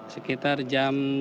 sekitar jam tujuh belas